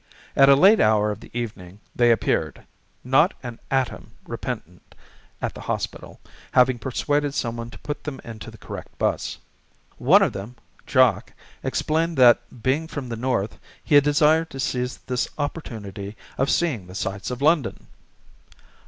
At a late hour of the evening they appeared, not an atom repentant, at the hospital, having persuaded someone to put them into the correct bus. One of them, Jock, explained that, being from the North, he had desired to seize this opportunity of seeing the sights of London.